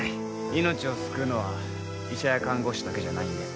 命を救うのは医者や看護師だけじゃないんで